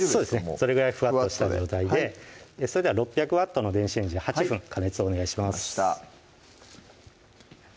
それぐらいふわっとした状態でそれでは６００Ｗの電子レンジで８分加熱お願いします